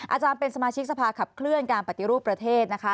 อาจารย์เป็นสมาชิกสภาขับเคลื่อนการปฏิรูปประเทศนะคะ